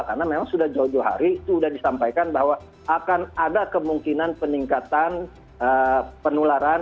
karena memang sudah jauh jauh hari sudah disampaikan bahwa akan ada kemungkinan peningkatan penularan